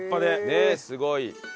ねえすごい。